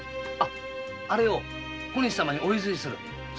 あれを小西様にお譲りする。